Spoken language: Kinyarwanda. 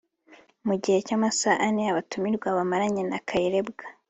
Mu gihe cy’amasaha ane abatumirwa bamaranye na Kayirebwa